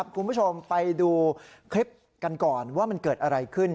คุณผู้ชมไปดูคลิปกันก่อนว่ามันเกิดอะไรขึ้น